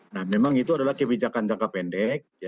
nah memang itu adalah kebijakan jangka pendek